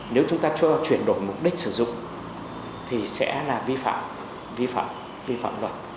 nếu chúng ta chuyển đổi mục đích sử dụng thì sẽ là vi phạm vi phạm vi phạm luật